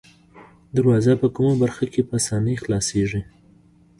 دروازه په کومه برخه کې په آسانۍ خلاصیږي؟